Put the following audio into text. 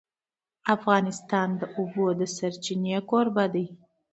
افغانستان د د اوبو سرچینې کوربه دی.